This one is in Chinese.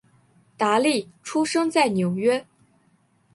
达利出生在纽约。